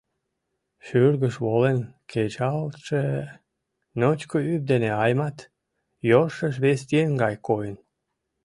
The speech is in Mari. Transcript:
Шӱргыш волен кечалтше ночко ӱп дене Аймат йӧршеш вес еҥ гай койын.